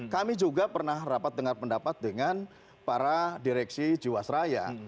kami juga pernah rapat dengar pendapat dengan para direksi jiwasraya